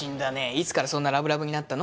いつからそんなラブラブになったの？